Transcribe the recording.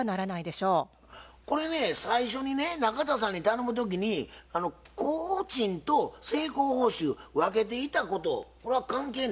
これね最初にね中田さんに頼む時に工賃と成功報酬分けていたことこれは関係ないんですか？